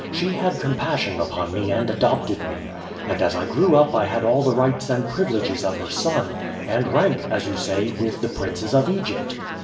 She had compassion upon me and adopted me, and as I grew up I had all the rights and privileges of her son, and rank, as you say, with the princes of Egypt.